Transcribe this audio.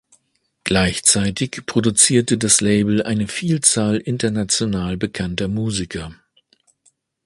Gleichzeitig produzierte das Label eine Vielzahl international bekannter Musiker.